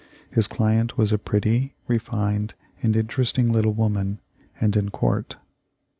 His client was a pretty, refined, and inter esting little woman, and in court.